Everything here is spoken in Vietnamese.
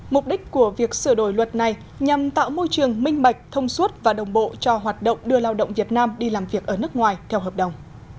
mục đích của việc sửa đổi luật này nhằm tạo môi trường minh bạch thông suốt và đồng bộ cho hoạt động đưa lao động việt nam đi làm việc ở nước ngoài theo hợp đồng